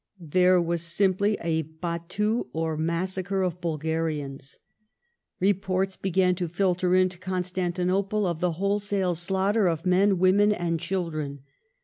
There was simply a battue or massacre of Bulgarians. Re ACHILLES RECALLED 327 ports began to filter into Constantinople of the wholesale slaughter of men, women, and children.